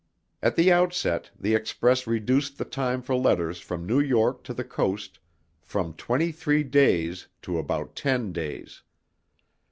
At the outset, the Express reduced the time for letters from New York to the Coast from twenty three days to about ten days.